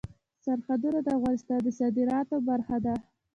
سرحدونه د افغانستان د صادراتو برخه ده.